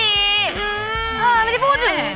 เออไม่ได้พูดหรอ